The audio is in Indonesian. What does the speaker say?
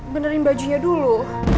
benerin bajunya dulu